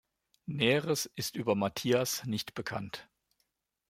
Näheres ist über Matthias nicht bekannt.